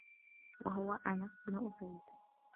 وَهُوَ أَنَسُ بْنُ أُسَيْدٍ